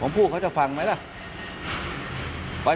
ท่านก็ให้เกียรติผมท่านก็ให้เกียรติผม